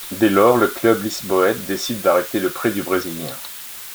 Dès lors, le club lisboète décide d'arrêter le prêt du Brésilien.